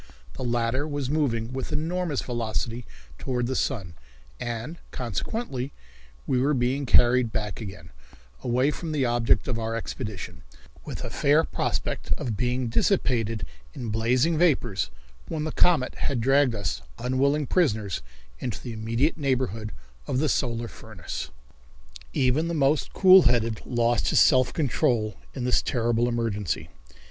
The latter was moving with enormous velocity toward the sun, and, consequently, we were being carried back again, away from the object of our expedition, with a fair prospect of being dissipated in blazing vapors when the comet had dragged us, unwilling prisoners, into the immediate neighborhood of the solar furnace. Even the most cool headed lost his self control in this terrible emergency.